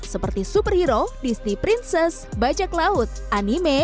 seperti superhero disney princess bajak laut anime